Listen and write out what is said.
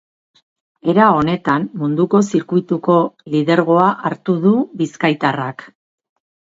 Era honetan, munduko zirkuituko lidergoa hartu du bizkaitarrak.